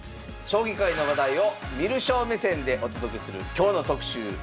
将棋界の話題を観る将目線でお届けする「今日の特集」。